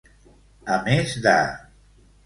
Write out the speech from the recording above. A més de.